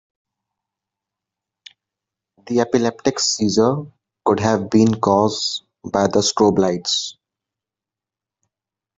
The epileptic seizure could have been cause by the strobe lights.